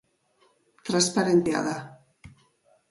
Transparentea da.